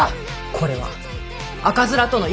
これは赤面との戦じゃ。